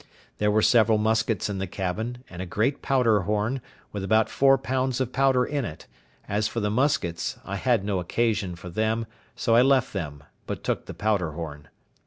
There were several muskets in the cabin, and a great powder horn, with about four pounds of powder in it; as for the muskets, I had no occasion for them, so I left them, but took the powder horn.